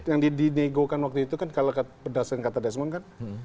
yang dinegokan waktu itu kan kalau berdasarkan kata desmond kan